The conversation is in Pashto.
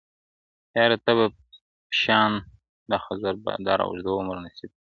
• یار ته به پشان د خضر بادار اوږد عُمر نصیب کړي..